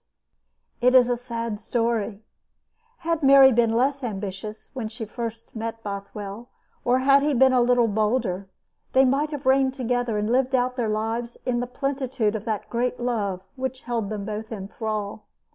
It is a sad story. Had Mary been less ambitious when she first met Bothwell, or had he been a little bolder, they might have reigned together and lived out their lives in the plenitude of that great love which held them both in thrall.